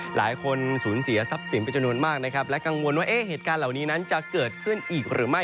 หลายคนสูญเสียทรัพย์สินเป็นจำนวนมากนะครับและกังวลว่าเหตุการณ์เหล่านี้นั้นจะเกิดขึ้นอีกหรือไม่